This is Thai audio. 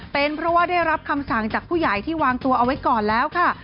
เป็นเพราะว่าได้รับคำสั่งจากผู้ใหญ่ที่วางตัวเอาไว้ก่อนแล้วค่ะ